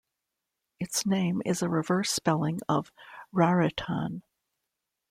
Its name is a reverse spelling of "Raritan".